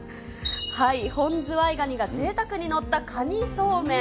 本ズワイガニがぜいたくに載ったかにそうめん。